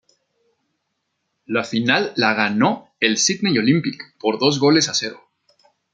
La final la ganó el Sydney Olympic, por dos goles a cero.